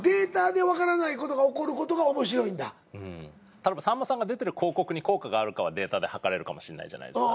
例えばさんまさんが出てる広告に効果があるかはデータで測れるかもしんないじゃないですか。